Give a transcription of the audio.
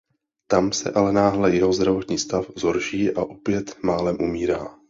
Tam se ale náhle jeho zdravotní stav zhorší a opět málem umírá.